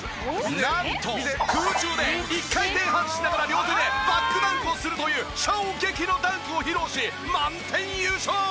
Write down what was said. なんと空中で１回転半しながら両手でバックダンクをするという衝撃のダンクを披露し満点優勝！